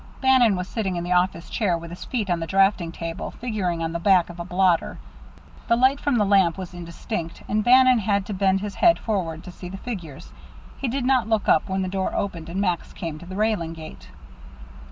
Bannon was sitting in the office chair with his feet on the draughting table, figuring on the back of a blotter. The light from the wall lamp was indistinct, and Bannon had to bend his head forward to see the figures. He did not look up when the door opened and Max came to the railing gate.